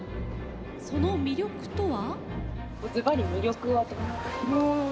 その魅力とは？